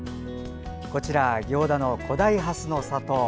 こちら行田の古代蓮の里。